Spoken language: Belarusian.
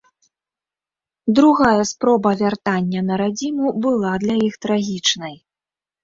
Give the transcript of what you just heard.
Другая спроба вяртання на радзіму была для іх трагічнай.